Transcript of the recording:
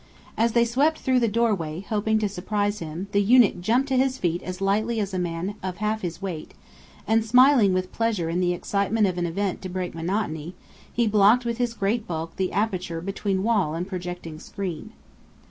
As they swept through the doorway, hoping to surprise him, the eunuch jumped to his feet as lightly as a man of half his weight, and smiling with pleasure in the excitement of an event to break monotony, he blocked with his great bulk the aperture between wall and projecting screen.